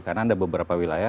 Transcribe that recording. karena ada beberapa wilayah